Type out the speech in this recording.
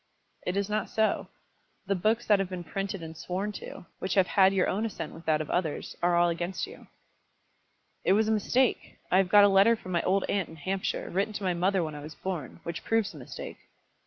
"It is not so. The books that have been printed and sworn to, which have had your own assent with that of others, are all against you." "It was a mistake. I have got a letter from my old aunt in Hampshire, written to my mother when I was born, which proves the mistake."